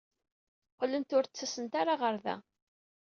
Qqlent ur d-ttasent ara ɣer da.